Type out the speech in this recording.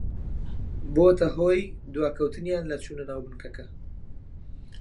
بۆتە هۆی دواکەوتنیان لە چوونە ناو بنکەکە